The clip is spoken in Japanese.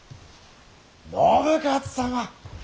信雄様。